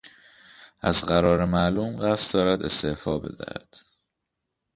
از قرار معلوم قصد دارد استعفا بدهد.